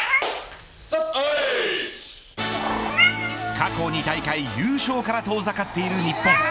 過去２大会優勝から遠ざかっている日本。